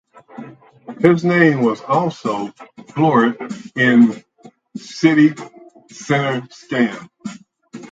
His name was also floored in Ludhiana City Centre scam.